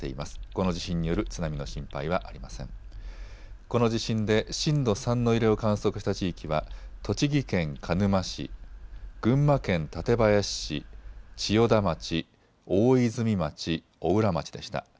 この地震で震度３の揺れを観測した地域は栃木県鹿沼市、群馬県館林市、千代田町、大泉町、邑楽町でした。